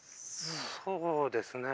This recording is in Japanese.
そうですね。